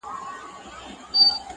انګولاوي به خپرې وې د لېوانو-